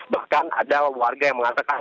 bahkan ada warga yang mengatakan